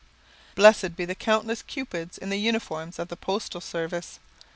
Blessed be the countless Cupids in the uniform of the postal service!